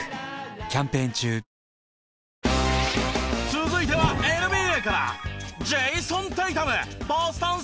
続いてはＮＢＡから！